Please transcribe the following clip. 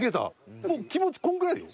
もう気持ちこんぐらいよ。